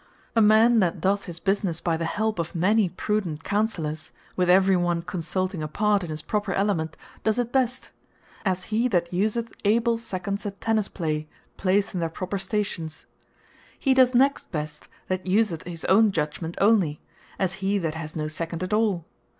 A man that doth his businesse by the help of many and prudent Counsellours, with every one consulting apart in his proper element, does it best, as he that useth able Seconds at Tennis play, placed in their proper stations. He does next best, that useth his own Judgement only; as he that has no Second at all.